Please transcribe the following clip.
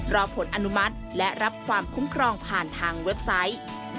รอผลอนุมัติและรับความคุ้มครองผ่านทางเว็บไซต์